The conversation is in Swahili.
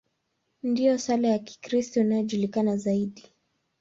Ndiyo sala ya Kikristo inayojulikana zaidi.